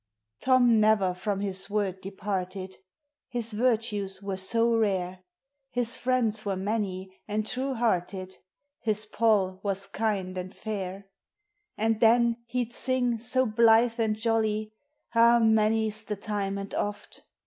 Tom never from his word departed, His virtues were so rare, His friends were many and true hearted, His Poll was kind and fair : And then he 'd sing, so blithe and jolly, Ah, many 's the time and oft!